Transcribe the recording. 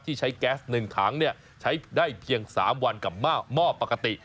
ใช้แก๊ส๑ถังใช้ได้เพียง๓วันกับหม้อปกติ